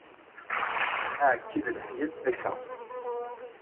Aεekki d leḥya n talsa.